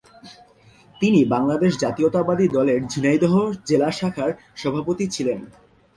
তিনি বাংলাদেশ জাতীয়তাবাদী দলের ঝিনাইদহ জেলা শাখার সভাপতি ছিলেন।